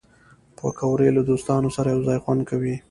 پکورې له دوستانو سره یو ځای خوند کوي